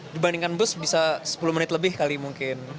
dibandingkan bus bisa sepuluh menit lebih kali mungkin